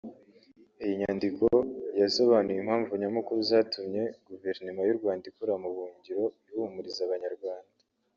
iyi nyandiko yasobanuye impamvu nyamukuru zatumye Guverinoma y’u Rwanda ikorera mu buhungiro ihumuriza abanyarwanda